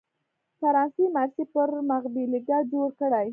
فرانسې مارسي پر مخبېلګه جوړ کړی.